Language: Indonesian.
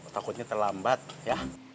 takutnya terlambat ya